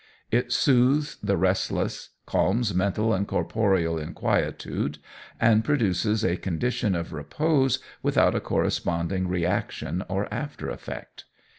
It soothes the restless, calms mental and corporeal inquietude, and produces a condition of repose without a corresponding reaction or after effect.